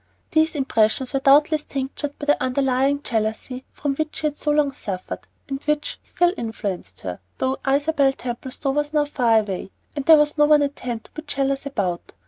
These impressions were doubtless tinctured by the underlying jealousy from which she had so long suffered, and which still influenced her, though Isabel Templestowe was now far away, and there was no one at hand to be jealous about.